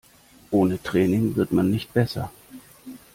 Ohne Training wird man nicht besser.